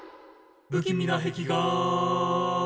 「不気味な壁画」